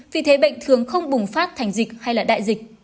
vì thế bệnh thường không bùng phát thành dịch hay là đại dịch